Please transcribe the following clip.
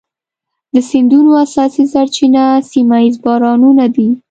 د سیندونو اساسي سرچینه سیمه ایز بارانونه دي.